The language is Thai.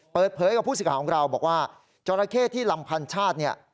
เปิดเผยกับผู้ศิษยาของเราบอกว่าจราเขตที่ลำพันธ์ชาติ